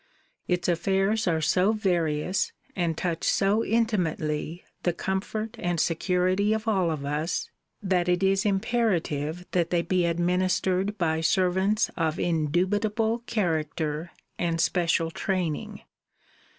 Its affairs are so various, and touch so intimately the comfort and security of all of us, that it is imperative that they be administered by servants of indubitable character and special training.